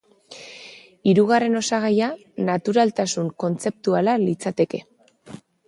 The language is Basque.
Hirugarren osagaia naturaltasun kontzeptuala litzateke.